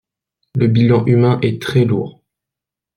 Le bilan humain est très lourd.